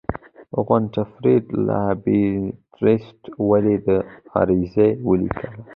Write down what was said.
غوتفریډ لایبینټس والي ته عریضه ولیکله.